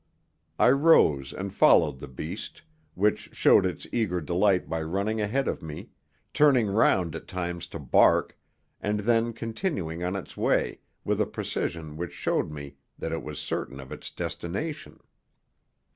I rose and followed the beast, which showed its eager delight by running ahead of me, turning round at times to bark, and then continuing on its way with a precision which showed me that it was certain of its destination.